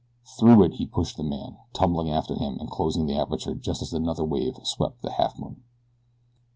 Through it he pushed the man, tumbling after him and closing the aperture just as another wave swept the Halfmoon.